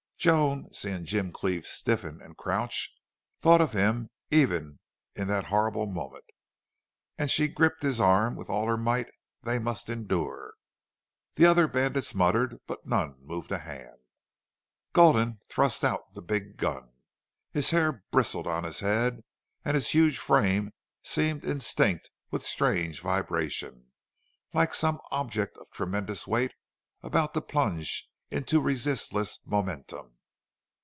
Joan, seeing Jim Cleve stiffen and crouch, thought of him even in that horrible moment; and she gripped his arm with all her might. They must endure. The other bandits muttered, but none moved a hand. Gulden thrust out the big gun. His hair bristled on his head, and his huge frame seemed instinct with strange vibration, like some object of tremendous weight about to plunge into resistless momentum.